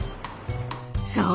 そう。